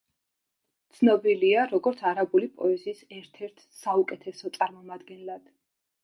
ცნობილია როგორც არაბული პოეზიის ერთ-ერთ საუკეთესო წარმომადგენლად.